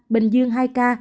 bình dương hai ca